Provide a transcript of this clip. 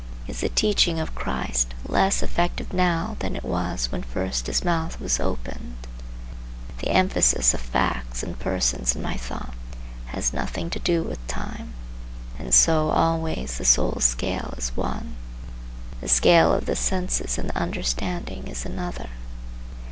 Is the teaching of Christ less effective now than it was when first his mouth was opened? The emphasis of facts and persons in my thought has nothing to do with time. And so always the soul's scale is one, the scale of the senses and the understanding is another.